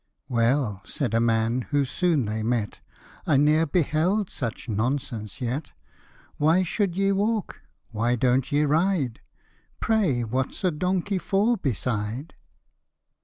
" Well," said a man, whom soon they met, " I ne'er beheld such nonsense yet ! Why should ye walk ? why don't ye ride ? Pray what's a donkey for beside